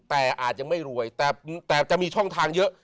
แต่อาจยังไม่รวยแต่จะมีช่องทางเยอะ